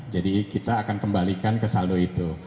jadi kita akan kembalikan ke saldo itu